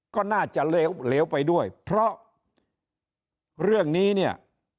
ก็น่าจะเหลวไปด้วยเพราะเรื่องนี้เนี่ย